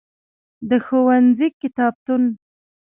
د ښوونځی کتابتون.